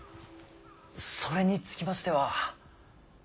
それにつきましては。